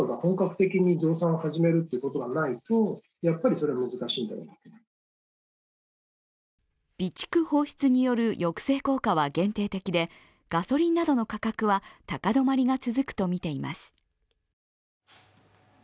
今回の石油備蓄の放出に専門家は備蓄放出による抑制効果は限定的でガソリンなどの価格は高止まりが続くとみています。